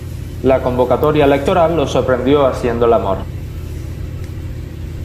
La convocatoria electoral los sorprendió haciendo el amor.